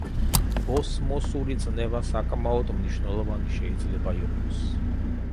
ოსმოსური წნევა საკმაოდ მნიშვნელოვანი შეიძლება იყოს.